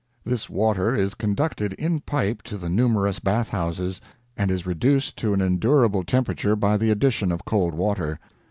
This water is conducted in pipe to the numerous bath houses, and is reduced to an endurable temperature by the addition of cold water.